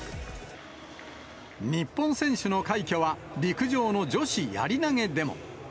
日本選手の快挙は、陸上の女子やり投げでも。